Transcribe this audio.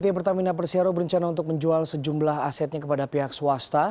pt pertamina persero berencana untuk menjual sejumlah asetnya kepada pihak swasta